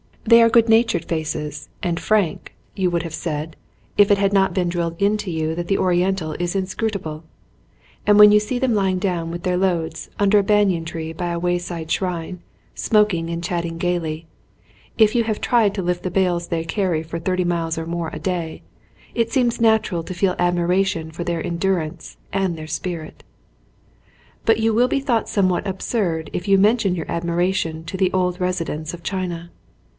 They are good natured faces and frank, you would 77 ON A CHINESE S CBEEN have said, if it had not been drilled into you that the oriental is inscrutable ; and when you see them lying down with their loads under a banyan tree by a wayside shrine, smoking and chatting gaily, if you have tried to lift the bales they carry for thirty miles or more a day, it seems natural to feel admiration for their endurance and their spirit. But you will be thought somewhat absurd if you mention your admiration to the old resi dents of China.